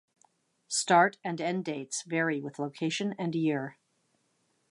Start and end dates vary with location and year.